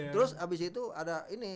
terus habis itu ada ini